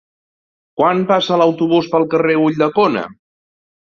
Quan passa l'autobús pel carrer Ulldecona?